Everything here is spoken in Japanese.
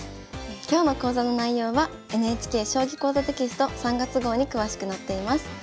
今日の講座の内容はＮＨＫ「将棋講座」テキスト３月号に詳しく載っています。